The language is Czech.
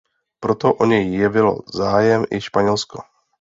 Proto o ně jevilo zájem i Španělsko.